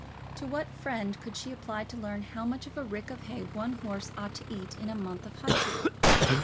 To what friend could she apply to learn how much of a rick of hay one horse ought to eat in a month of hunting?